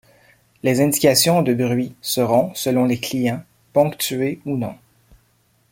Les indications de bruits seront, selon les clients, ponctuées ou non.